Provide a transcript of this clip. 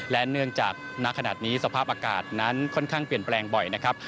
และเนื่องจากณขณะนี้สภาพอากาศนั้นค่อนข้างเปลี่ยนแปลงบ่อยนะครับ